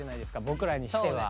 僕らにしては。